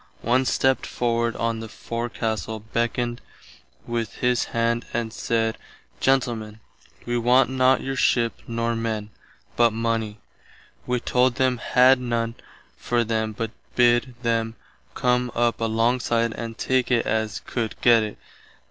One stept forward on the forecastle, beckoned with his hand and said, Gentlemen, wee want not your ship nor men, but money. Wee told them had none for them but bid them come up alongside and take it as could gett it.